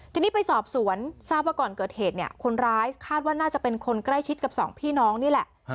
ทีนี้ไปสอบสวนทราบว่าก่อนเกิดเหตุเนี่ยคนร้ายคาดว่าน่าจะเป็นคนใกล้ชิดกับสองพี่น้องนี่แหละ